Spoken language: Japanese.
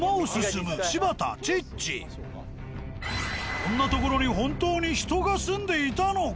こんな所に本当に人が住んでいたのか？